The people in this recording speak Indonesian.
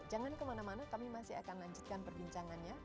jangan kemana mana kami masih akan lanjutkan perbincangannya